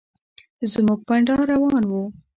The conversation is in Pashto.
زموږ بنډار روان و.